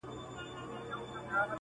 زۀ خداى ساتلمه چي نۀ راپرېوتم او تلمه,